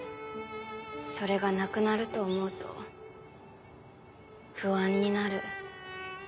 それがなくなると思うと不安になる。